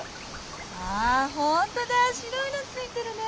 あ本当だ白いのついてるね。